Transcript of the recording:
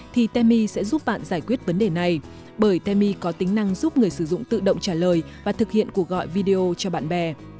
thì temi sẽ giúp bạn giải quyết vấn đề này bởi temi có tính năng giúp người sử dụng tự động trả lời và thực hiện cuộc gọi video cho bạn bè